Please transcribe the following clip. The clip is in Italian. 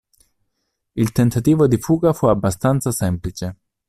Il tentativo di fuga fu abbastanza semplice.